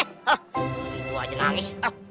itu aja nangisnya